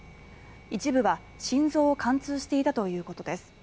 一部は心臓を貫通していたということです。